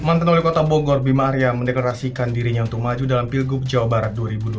manten oleh kota bogor bima arya mendeklarasikan dirinya untuk maju dalam pilgub jawa barat dua ribu dua puluh empat